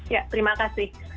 ya terima kasih